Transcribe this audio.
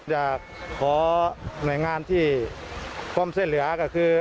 อยากขอหน่วยงานที่ความช่วยเหลือก็คือ